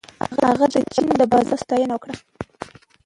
هغه د چین د بازارونو ستاینه وکړه.